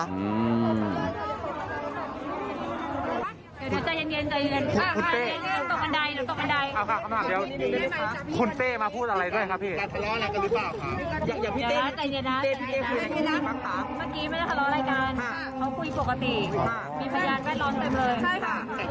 หื้อ